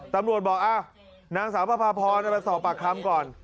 ตำรวจบอกนางสาวประพาพรมาสอบปากคำก่อน